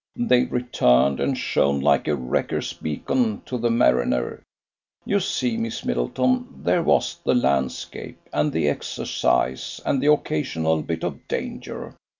"They returned, and shone like a wrecker's beacon to the mariner. You see, Miss Middleton, there was the landscape, and the exercise, and the occasional bit of danger.